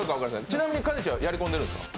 ちなみにかねちはやり込んでるんですか？